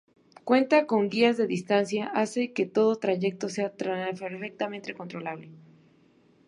Cuenta con guías de distancia, hace que todo trayecto sea perfectamente controlable.